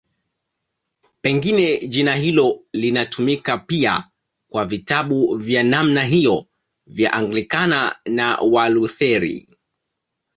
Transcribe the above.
Pengine jina hilo linatumika pia kwa vitabu vya namna hiyo vya Anglikana na Walutheri.